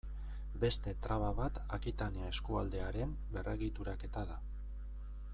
Beste traba bat Akitania eskualdearen berregituraketa da.